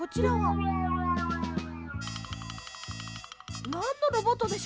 なんのロボットでしょうか？